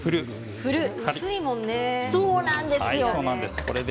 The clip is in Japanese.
薄いもんね。